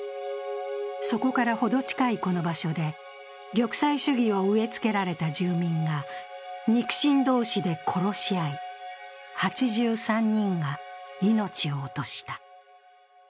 そこから程近いこの場所で、玉砕主義を植えつけられた住民が肉親同士で殺し合い、８３人が命を落とした。